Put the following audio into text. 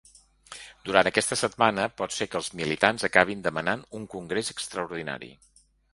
Durant aquesta setmana, pot ser que els militants acabin demanant un congrés extraordinari.